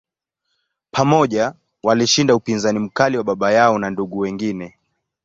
Pamoja, walishinda upinzani mkali wa baba yao na ndugu wengine.